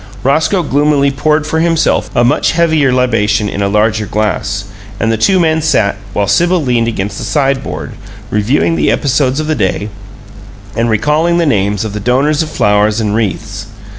Roscoe gloomily poured for himself a much heavier libation in a larger glass; and the two men sat, while Sibyl leaned against the sideboard, reviewing the episodes of the day and recalling the names of the donors of flowers and wreaths.